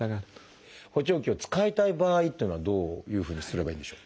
補聴器を使いたい場合っていうのはどういうふうにすればいいんでしょう？